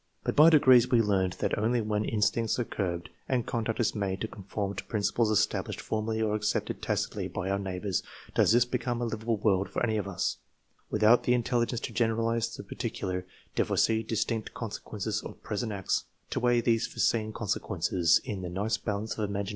But by degrees we learned that only when in stincts arc curbed, and conduct is made to conform to principles established formally or accepted tacitly by our neighbors, does this become a livable world for any of us. Without the intelligence to generalize the particular, to foresee distant consequences of present acts, to weigh these foreseen consequences in the nice balance of imagina i II. L. Dugdale: The Jukes. (Fourth edition, 1910.)